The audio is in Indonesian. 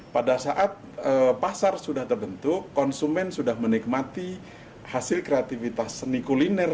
pada saat pasar sudah terbentuk konsumen sudah menikmati hasil kreativitas seni kuliner